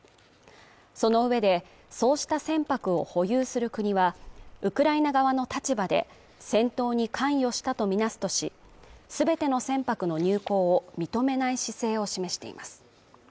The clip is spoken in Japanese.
その上で、そうした船舶を保有する国はウクライナ側の立場で戦闘に関与したとみなすとし、全ての船舶の入港を認めない姿勢を示しています。